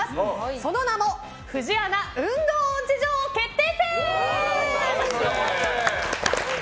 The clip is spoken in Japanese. その名も「フジアナ運動音痴女王決定戦」。